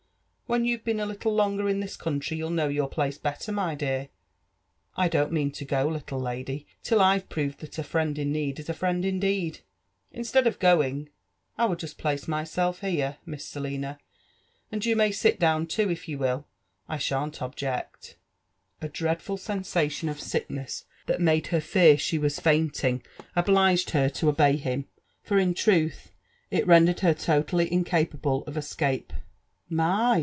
When you've been a little longer in this country, you'U know your place better, my dear. I don't mean to go, little lady, till I've proved that a friend in need is a friend indeed. Instead of going, I will just place myself here. Miss Selina; and you may sit down too, if you will — I shan't object." A dreadful sensation of sickness that made her fear she was fainting JONATHAN iBFFERSON WIIITLAW. «35 obligttd her to oteyhim, for in truth it rendered her totally incapable of escape. *' My